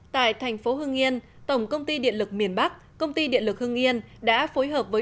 tại thành phố hưng yên tổng công ty điện lực miền bắc công ty điện lực hưng yên đã phối hợp với